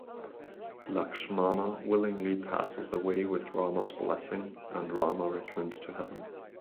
Lakshmana willingly passes away with Rama's blessing and Rama returns to Heaven.